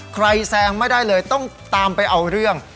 แซงไม่ได้เลยต้องตามไปเอาเรื่อง